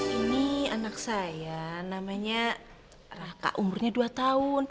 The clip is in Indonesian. ini anak saya namanya raka umurnya dua tahun